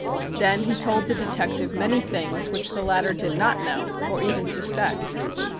Thus he told the detective many things which the latter did not know or even suspect.